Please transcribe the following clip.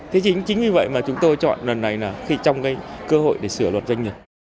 thế chính như vậy mà chúng tôi chọn lần này là